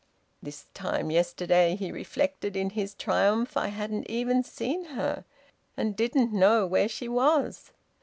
"This time yesterday," he reflected, in his triumph, "I hadn't even seen her, and didn't know where she was.